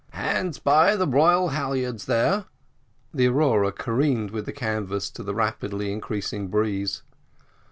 "Hands by the royal halyards, there." The Aurora careened with the canvas to the rapidly increasing breeze.